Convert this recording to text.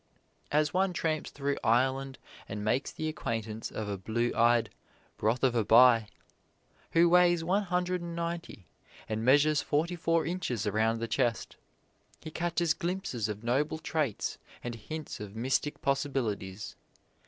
As one tramps through Ireland and makes the acquaintance of a blue eyed "broth of a bye," who weighs one hundred and ninety, and measures forty four inches around the chest, he catches glimpses of noble traits and hints of mystic possibilities.